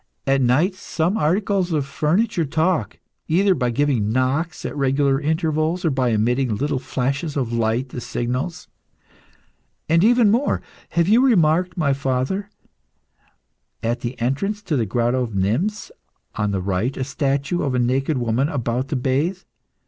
At night some articles of furniture talk, either by giving knocks at regular intervals or by emitting little flashes of light as signals. And even more. Have you remarked, my father, at the entrance to the Grotto of Nymphs, on the right, a statue of a naked woman about to bathe?